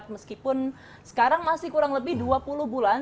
meskipun sekarang masih kurang lebih dua puluh bulan